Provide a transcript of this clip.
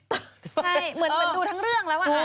ใช่เหมือนดูทั้งเรื่องแล้ว